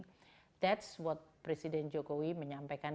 itu yang mengatakan presiden jokowi